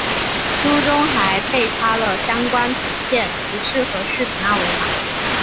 书中还配插了相关图片、图示和视频二维码